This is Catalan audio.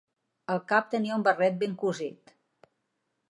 Al cap tenia un barret ben cosit.